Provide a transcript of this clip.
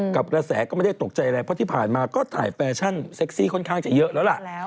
กระแสก็ไม่ได้ตกใจอะไรเพราะที่ผ่านมาก็ถ่ายแฟชั่นเซ็กซี่ค่อนข้างจะเยอะแล้วล่ะ